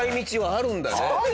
あるんだね。